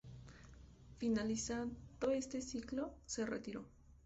Finalizado este ciclo, se retiró.